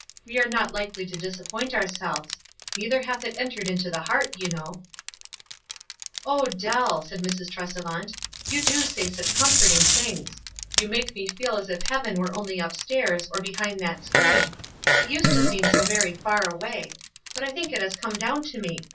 We arc not likely to disappoint ourselves ;' neither hath it entered into the heart,' you know." 376 WISE AND OTHERWISE. " O Dell !" said Mrs. Tresevant, "you do say such comforting things. You make me feel as if heaven were only up stairs, or behind that screen. It used to seem so very far away ; but I think it has come down to me.